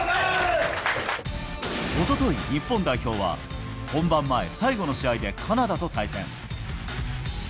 おととい、日本代表は本番前、最後の試合でカナダと対戦。